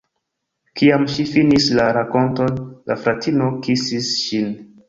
Kiam ŝi finis la rakonton, la fratino kisis ŝin.